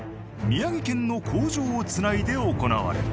宮城県の工場を繋いで行われる。